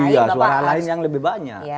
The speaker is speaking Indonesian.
iya suara lain yang lebih banyak